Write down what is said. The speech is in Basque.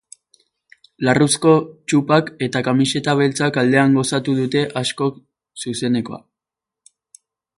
Larruzko txupak eta kamiseta beltzak aldean gozatu dute askok zuzenekoa.